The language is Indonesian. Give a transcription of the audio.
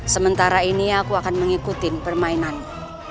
sementara ini aku akan mengikuti permainan